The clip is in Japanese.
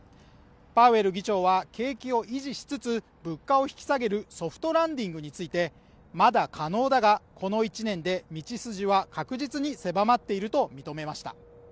パウエル議長は景気を維持しつつ物価を引き下げるソフトランディングについてまだ可能だがこの１年で道筋は確実に狭まっていると認めました